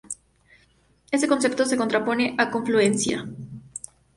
Este concepto se contrapone a confluencia.